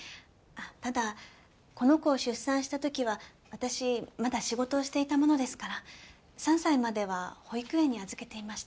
ただこの子を出産した時は私まだ仕事をしていたものですから３歳までは保育園に預けていました。